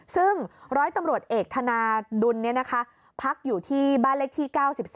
ซึ่งร้อยตำรวจเอกธนาดุลพักอยู่ที่บ้านเลขที่๙๒